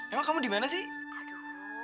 emang kamu di mana sih